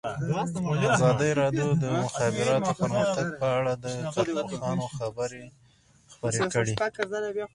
ازادي راډیو د د مخابراتو پرمختګ په اړه د کارپوهانو خبرې خپرې کړي.